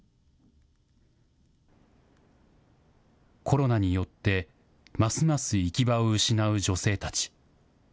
コロナによって、ますます行き場を失う女性たち。